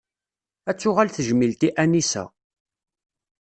Ad tuɣal tejmilt i Anisa.